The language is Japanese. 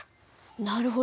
なるほど。